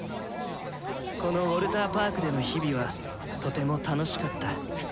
このウォルターパークでの日々はとても楽しかった。